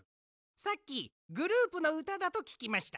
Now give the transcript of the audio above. さっきグループのうただとききました。